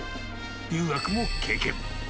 留学も経験。